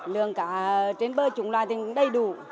lương cá trên bơ chúng loài thì đầy đủ